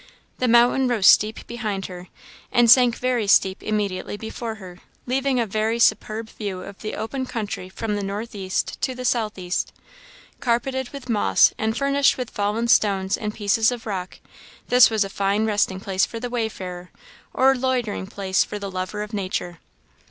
The mountain rose steep behind her, and sank very steep immediately before her, leaving a very superb view of the open country from the north east to the south east. Carpeted with moss, and furnished with fallen stones and pieces of rock, this was a fine resting place for the wayfarer, or loitering place for the lover of nature.